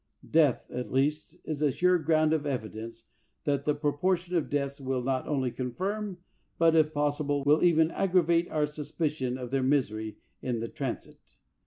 Death, at least, is a sure ground of evidence, and the proportion of deaths will not only confirm, but, if possible, will even aggravate our suspicion of their misery in the transit.